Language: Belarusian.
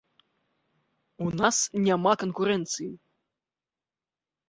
У нас няма канкурэнцыі.